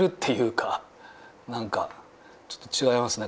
何かちょっと違いますね